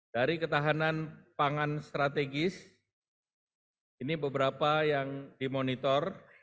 dari ketahanan pangan strategis ini beberapa yang dimonitor